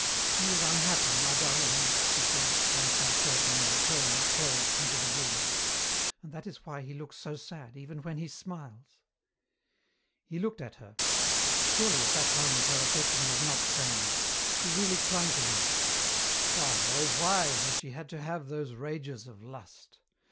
"He is unhappy, my darling is," she said, raising the curtain and returning, clothed, into the room. "And that is why he looks so sad, even when he smiles!" He looked at her. Surely at that moment her affection was not feigned. She really clung to him. Why, oh, why, had she had to have those rages of lust?